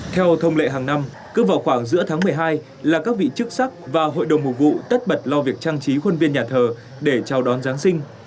theo thông lệ hàng năm cứ vào khoảng giữa tháng một mươi hai là các vị chức sắc và hội đồng mùa vụ tất bật lo việc trang trí khuôn viên nhà thờ để chào đón giáng sinh